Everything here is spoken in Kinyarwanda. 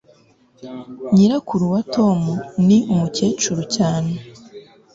Nyirakuru wa Tom ni umukecuru cyane